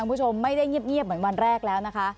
คุณผู้ชมไม่ได้เงียบเหมือนวันแรกแล้วนะคะ